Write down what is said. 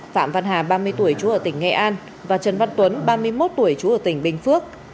phạm văn hà ba mươi tuổi chú ở tỉnh nghệ an và trần văn tuấn ba mươi một tuổi trú ở tỉnh bình phước